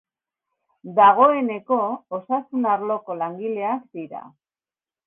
Dagoeneko osasun arloko langileak dira.